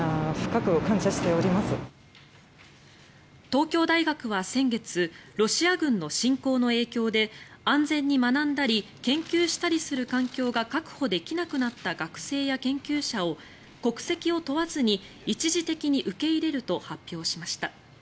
東京大学は先月ロシア軍の侵攻の影響で安全に学んだり研究したりする環境が確保できなくなった学生や研究者を国籍を問わずに一時的に受け入れると発表しました。